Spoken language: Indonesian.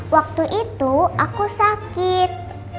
waktu itu aku sakit